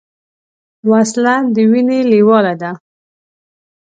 وسله د وینې لیواله ده